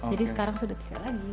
jadi sekarang sudah tidak lagi